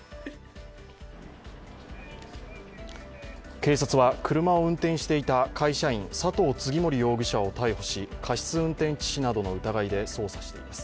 警察は、車を運転していた会社員、佐藤次守容疑者を逮捕し過失運転致死などの疑いで捜査しています。